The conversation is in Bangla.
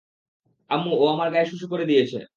আম্মু, ও আমার গায়ে সুসু করে দিয়েছে!